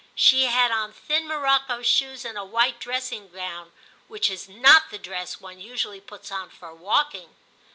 She had on thin morocco shoes and a white dressing gown, which is not the dress one usually puts on for walking.'